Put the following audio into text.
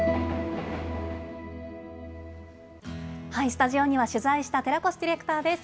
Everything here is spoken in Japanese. スタジオには取材した寺越ディレクターです。